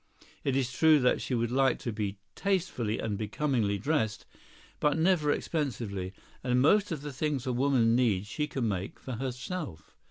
It is true that she would like to be tastefully and becomingly dressed, but never expensively; and most of the things a woman needs she can make for herself.